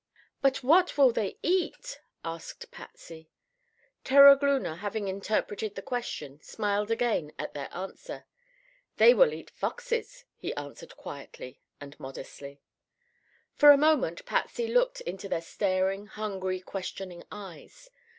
"But what will they eat?" asked Patsy. Terogloona, having interpreted the question, smiled again at their answer: "They will eat foxes," he answered quietly and modestly. For a moment Patsy looked into their staring, hungry, questioning eyes.